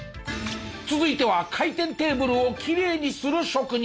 続いては回転テーブルをきれいにする職人技。